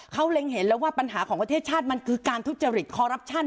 เขาเล็งเห็นแล้วว่าปัญหาของประเทศชาติมันคือการทุจริตคอรัปชั่น